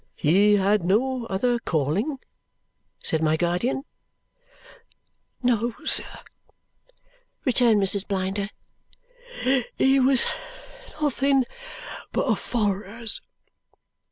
'" "He had no other calling?" said my guardian. "No, sir," returned Mrs. Blinder, "he was nothing but a follerers.